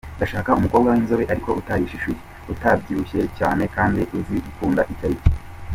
Ndashaka umukobwa w'inzobe ariko utarishishuye, utabyibushye cyane kandi uzi gukunda icyo ari cyo.